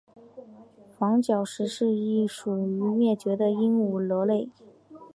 房角石是一属已灭绝的鹦鹉螺类。